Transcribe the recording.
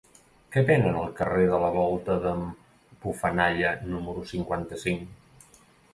Què venen al carrer de la Volta d'en Bufanalla número cinquanta-cinc?